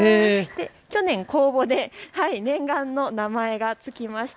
去年、公募で念願の名前が付きました。